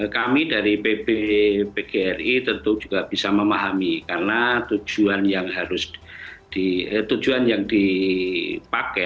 kami dari pbpgri tentu juga bisa memahami karena tujuan yang dipakai